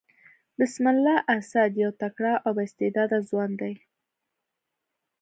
بسم الله اسد يو تکړه او با استعداده ځوان دئ.